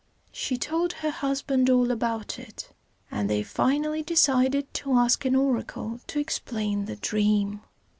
She told her husband all about it, and they finally decided to ask an oracle to explain the dream.